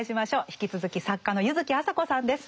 引き続き作家の柚木麻子さんです。